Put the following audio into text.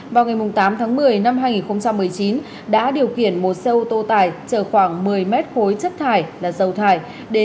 vào ngày tám tháng một mươi năm hai nghìn một mươi chín đã điều khiển một xe ô tô tải chở khoảng một mươi mét khối chất thải là dầu thải